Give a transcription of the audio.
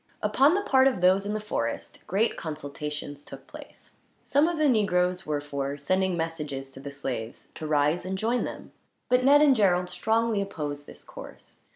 Upon the part of those in the forest, great consultations took place. Some of the negroes were for sending messages to the slaves to rise and join them, but Ned and Gerald strongly opposed this course.